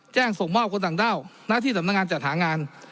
ส่งมอบคนต่างด้าวหน้าที่สำนักงานจัดหางาน